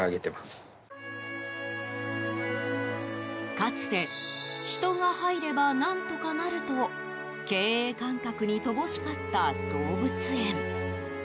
かつて人が入れば何とかなると経営感覚に乏しかった動物園。